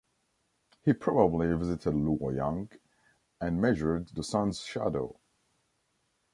He probably visited Luoyang, and measured the sun's shadow.